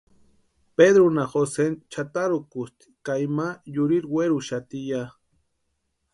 Pedrunha Joseni chʼatarhukusti ka ima yurhiri werhuxati ya.